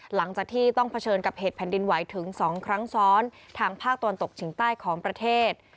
หลังจากที่ต้องเผชิญกับเหตุแผ่นดินไหวถึง๒ครั้งซ้อนทางภาคตะวันตกเฉียงใต้ของประเทศ